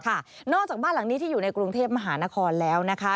นอกจากบ้านหลังนี้ที่อยู่ในกรุงเทพมหานครแล้วนะคะ